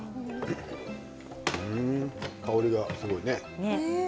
香りがすごいね。